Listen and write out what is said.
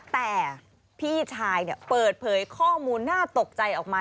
แต่พี่ชายเปิดเผยข้อมูลน่าตกใจออกมา